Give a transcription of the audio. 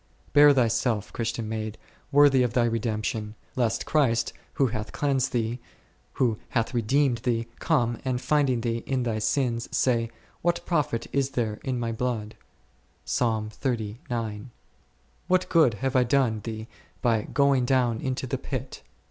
Bear thyself, Christian maid, worthy of thy redemption, lest Christ, who hath cleansed thee, who hath redeemed thee, come, and finding thee in thy sins, say, What profit is there in My blood ? what good have I done thee by going down into the pit